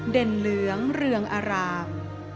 เด่นเหลืองเรืองอาราม